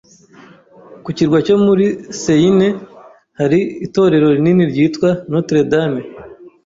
Ku kirwa cyo muri Seine, hari itorero rinini ryitwa Notre Dame.